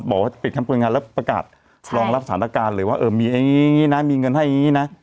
บอกว่าจะปิดครั้งคนงานแล้วประกาศรองรับสถานการณ์เลยว่ามีเงินให้อย่างนี้นะ